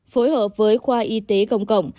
phối hợp với khoa y tế công cộng